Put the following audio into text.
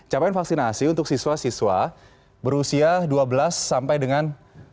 capaian vaksinasi untuk siswa siswa berusia dua belas sampai dengan